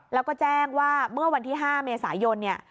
แล้วก็แจ้งว่าเมื่อวันที่๕เมษายนเนี่ย